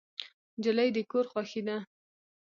نجلۍ د کور خوښي ده.